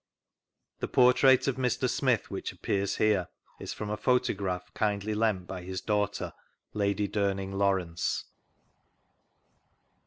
The portrait of Mr. Smith which ap^iears here is from a photograph kindly lent by his daughter. Lady Duming Lawrence.